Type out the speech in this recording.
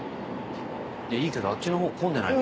いいけどあっちのほう混んでないか？